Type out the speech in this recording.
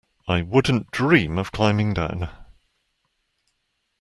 I wouldn't dream of climbing down.